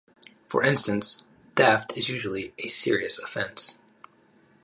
For instance, theft is usually a serious offence.